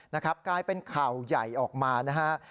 นะครับกลายเป็นข่าวใหญ่ออกมานะฮะ